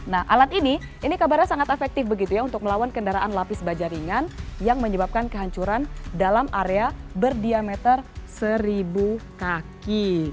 nah alat ini ini kabarnya sangat efektif begitu ya untuk melawan kendaraan lapis baja ringan yang menyebabkan kehancuran dalam area berdiameter seribu kaki